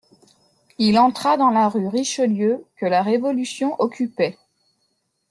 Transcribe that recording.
Il entra dans la rue Richelieu que la révolution occupait.